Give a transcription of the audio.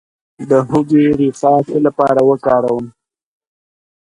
د هوږې ریښه د څه لپاره وکاروم؟